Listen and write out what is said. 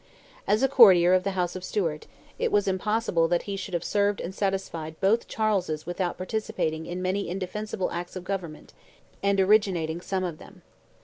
As a courtier of the House of Stuart, it was impossible that he should have served and satisfied both Charleses without participating in many indefensible acts of government, and originating some of them.